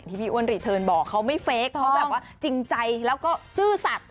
พี่อ้วนรีเทิร์นบอกเขาไม่เฟคเขาแบบว่าจริงใจแล้วก็ซื่อสัตว